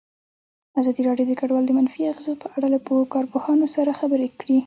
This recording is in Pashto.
ازادي راډیو د کډوال د منفي اغېزو په اړه له کارپوهانو سره خبرې کړي.